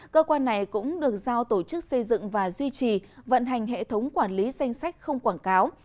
cơ quan này cũng được giao tổ chức xây dựng và duy trì vận hành hệ thống quản lý danh sách không quảng cáo